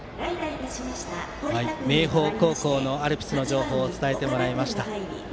明豊高校のアルプスの情報を伝えてもらいました。